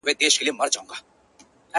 ما به لیده چي زولنې دي ماتولې اشنا؛